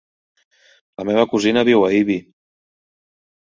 La meva cosina viu a Ibi.